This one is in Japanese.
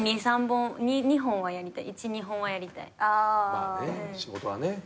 まあね仕事はね。